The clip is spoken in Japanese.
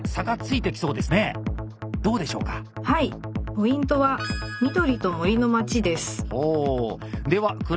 ポイントは「緑と森の街」です。